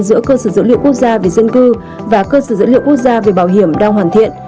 giữa cơ sở dữ liệu quốc gia về dân cư và cơ sở dữ liệu quốc gia về bảo hiểm đang hoàn thiện